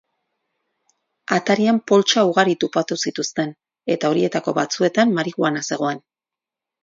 Atarian poltsa ugari topatu zituzten, eta horietako batzuetan marihuana zegoen.